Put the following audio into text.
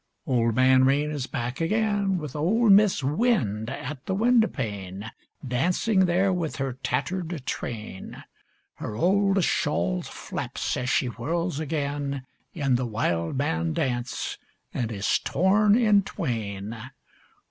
Old Man Rain is back again, With old Mis' Wind at the windowpane, Dancing there with her tattered train: Her old shawl flaps as she whirls again In the wildman dance and is torn in twain.